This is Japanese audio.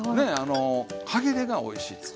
歯切れがおいしいです。